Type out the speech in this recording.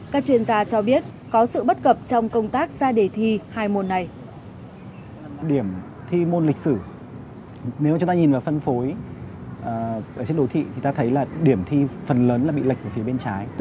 các chuyên gia cho biết có sự bất cập trong công tác ra đề thi hai môn này